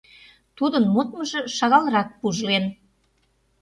Тудын модмыжо шагалрак пужлен.